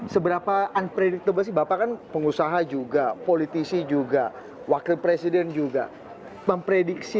seberapa unpredictable sih bapak kan pengusaha juga politisi juga wakil presiden juga memprediksi